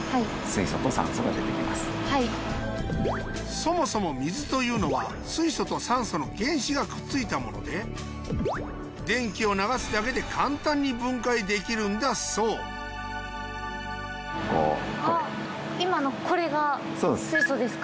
そもそも水というのは水素と酸素の原子がくっついたもので電気を流すだけで簡単に分解できるんだそう今のこれが水素ですか？